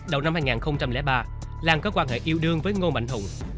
đầu năm hai nghìn ba lan có quan hệ yêu đương với ngô mạnh hùng